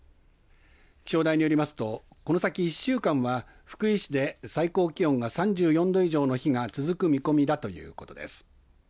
気象台によりますとこの先１週間は福井市で最高気温が３４度以上の日が続く見込みだということです。